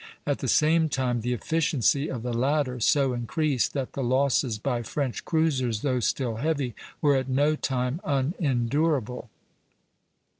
At the same time the efficiency of the latter so increased that the losses by French cruisers, though still heavy, were at no time unendurable.